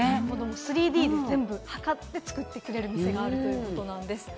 ３Ｄで全部測って作ってくれるお店があるということなんです。